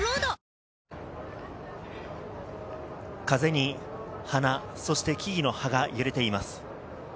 風に花、そして木々の葉が揺れています。